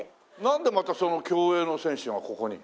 なんでまたその競泳の選手がここに？